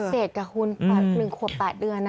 เศษกับคุณค่ะ๑ขวบ๘เดือน